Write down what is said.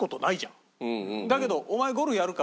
だけど「お前ゴルフやるか？」